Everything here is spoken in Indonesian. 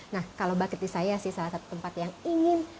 nah kalau baket di saya sih salah satu tempat yang ingin